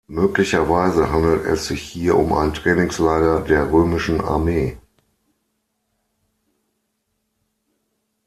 Möglicherweise handelt es sich hier um ein Trainingslager der römischen Armee.